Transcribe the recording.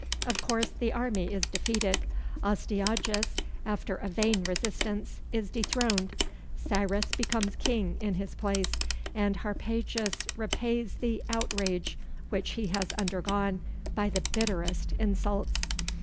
Of course the army is defeated Astyages, after a vain resistance, is dethroned Cyrus becomes king in his place and Harpagus repays the outrage which he has undergone by the bitterest insults.